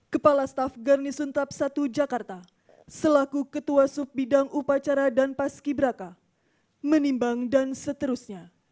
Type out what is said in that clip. kepala staff garnison tap satu jakarta selaku ketua subbidang upacara dan paski braka menimbang dan seterusnya